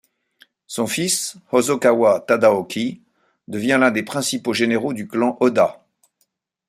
Son fils, Hosokawa Tadaoki, devient l'un des principaux généraux du clan Oda.